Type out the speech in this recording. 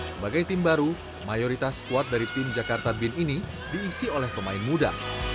sebagai tim baru mayoritas squad dari tim jakarta bin ini diisi oleh pemain muda